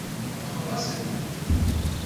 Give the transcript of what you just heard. Teṭṭfeḍ-asen-t-id.